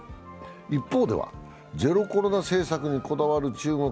一方では、ゼロコロナ政策にこだわる中国。